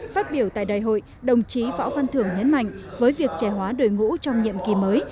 phát biểu tại đại hội đồng chí võ văn thưởng nhấn mạnh với việc trẻ hóa đời ngũ trong nhiệm kỳ mới